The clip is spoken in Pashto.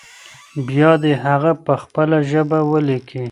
بيا دې هغه په خپله ژبه ولیکي.